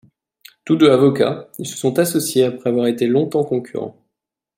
Tous deux avocats, ils se sont associés après avoir été longtemps concurrents.